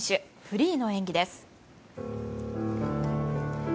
フリーの演技です。